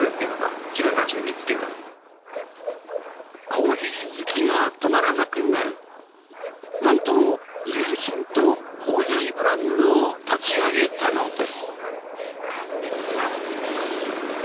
コーヒー好きが止まらなくなりなんと友人とコーヒーブランドを立ち上げたのです。